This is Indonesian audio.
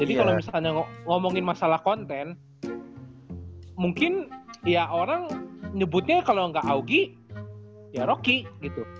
jadi kalo misalkan ngomongin masalah konten mungkin ya orang nyebutnya kalo gak augie ya rocky gitu